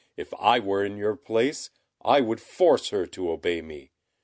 If I were in your place, I would force her to obey me.